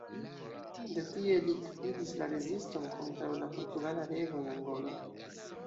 De tie li gvidis la reziston kontraŭ la portugala rego en Angolo.